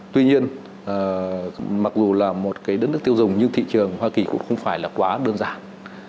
tuy nhiên mặc dù là một cái đất nước tiêu dùng nhưng thị trường hoa kỳ cũng không phải là quá đơn giản